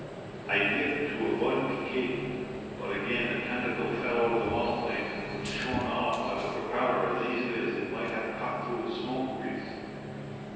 I dipped to a vol pique, but again a tentacle fell over the monoplane and was shorn off by the propeller as easily as it might have cut through a smoke wreath.